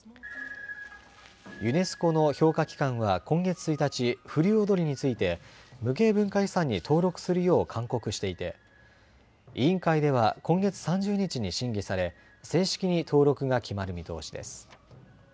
ユネスコの評価機関は今月１日風流踊について無形文化遺産に登録するよう勧告していて委員会では今月３０日に審議され正式に登録が決まる見通しです。